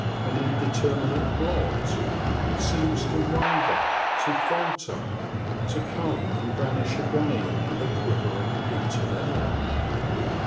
An indeterminate blot, it seems to waver, to falter, to come and vanish again in the quivering, heated air.